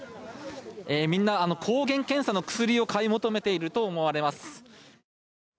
みんな抗原検査の薬を買い求めていると思われます。